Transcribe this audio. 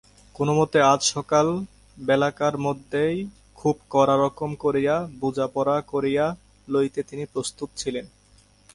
কোনোমতে আজ সকালবেলাকার মধ্যেই খুব কড়া রকম করিয়া বোঝাপড়া করিয়া লইতে তিনি প্রস্তুত ছিলেন।